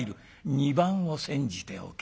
二番を煎じておけ」。